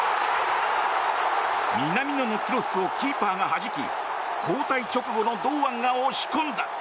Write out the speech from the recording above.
南野のクロスをキーパーがはじき交代直後の堂安が押し込んだ。